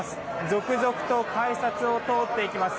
続々と改札を通っていきます。